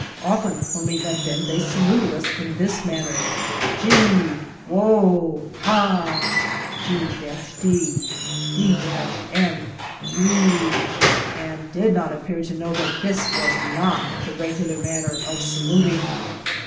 Often when we met them they saluted us in this manner, "Gee, Whoa, Haw. G d d n you," and did not appear to know that this was not the regular manner of saluting.